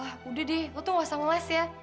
ah udah nih lo tuh gak usah nuch ves ya